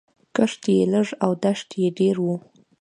کښت یې لږ او دښت یې ډېر و